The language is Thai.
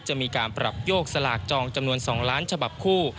จะมีการปรับโยกสลากจองจำนวน๒ล้านฉบับคู่